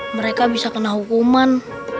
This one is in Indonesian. mereka bisa kena hukuman